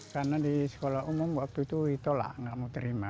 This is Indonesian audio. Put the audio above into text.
karena di sekolah umum waktu itu ditolak tidak mau terima